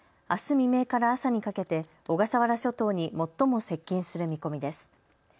未明から朝にかけて小笠原諸島に最も接近する見込みです。